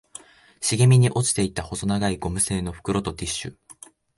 茂みに落ちていた細長いゴム製の袋とティッシュ